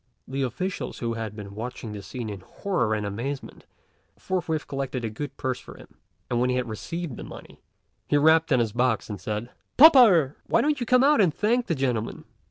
The officials who had been watching the scene in horror and amazement, forthwith collected a good purse for him; and when he had received the money, he rapped on his box and said, "Pa pa'rh! why don't you come out and thank the gentlemen?"